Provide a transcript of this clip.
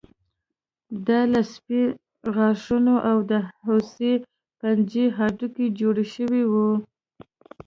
دا له سپي غاښونو او د هوسۍ پنجې هډوکي جوړ شوي وو